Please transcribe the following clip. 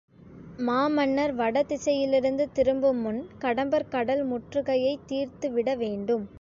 மாமன்னர் வடதிசையிலிருந்து திரும்பு முன் கடம்பர் கடல் முற்றுகையைத் தீர்த்துவிடவேண்டும்.